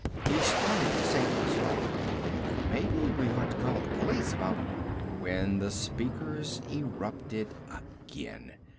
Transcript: He started to say to his wife, "Maybe we ought to call the police about " when the speakers erupted again.